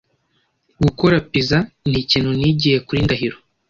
Gukora pizza nikintu nigiye kuri Ndahiro .